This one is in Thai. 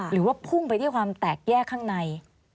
หรือว่าพุ่งไปที่ความแตกแยกข้างใน